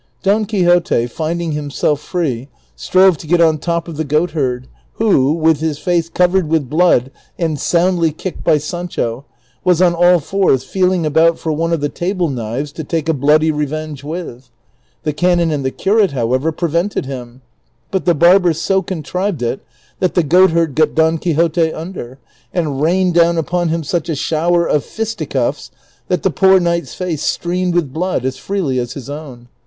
Don Quixote, finding hiinself free, strove to get on top of the goatherd, who, Avith his face covered Avith blood, and soundly kicked by Sancho, Avas on all fours feeling about for one of the table knives to take a bloody revenge Avith. The canon and the curate, hoAvever, prevented him, but the barber so contrived it that the goatherd got Don Quixote under, and rained doAA^i upon him such a shoAver of fisticuffs that the poor knight's face streamed Avith blood as freely as his OAvn.